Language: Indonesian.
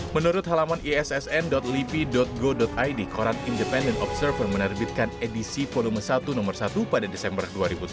menurut halaman issn lipi go id koran independent observer menerbitkan edisi volume satu nomor satu pada desember dua ribu tujuh belas